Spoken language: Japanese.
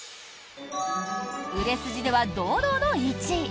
売れ筋では堂々の１位！